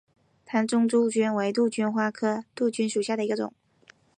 淡钟杜鹃为杜鹃花科杜鹃属下的一个种。